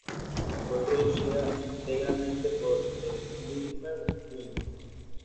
Fue producida íntegramente por The Glimmer Twins.